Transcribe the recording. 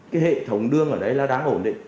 cái hệ thống đường ở đấy là đang ổn định